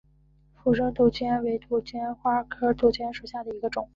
附生杜鹃为杜鹃花科杜鹃属下的一个种。